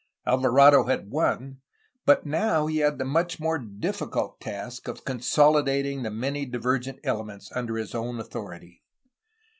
Alvarado had won, but he now had the much more diffi cult task of consolidating the many divergent elements under his own authority.